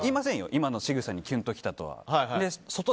今のしぐさにキュンときたとか。